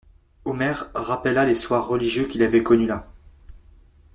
Omer rappela les soirs religieux qu'ils avaient connus là.